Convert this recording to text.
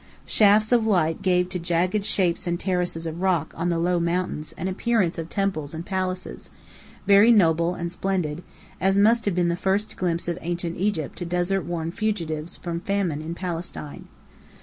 Shafts of light gave to jagged shapes and terraces of rock on the low mountains an appearance of temples and palaces, very noble and splendid, as must have been the first glimpse of Ancient Egypt to desert worn fugitives from famine in Palestine.